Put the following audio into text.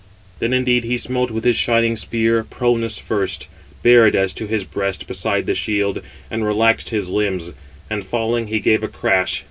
Then indeed he smote with his shining spear Pronous first, bared as to his breast beside the shield, and relaxed his limbs: and falling, he gave a crash.